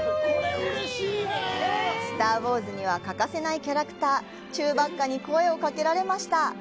「スター・ウォーズ」には欠かせないキャラクター、チューバッカに声をかけられました！